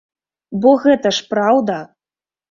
Бо гэта ж праўда!